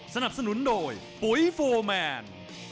สนับสนุนโดยปุ๋ยโฟร์แมน